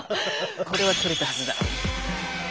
これは取れたはずだ。